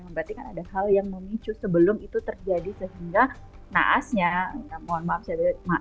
berarti kan ada hal yang memicu sebelum itu terjadi sehingga naasnya mohon maaf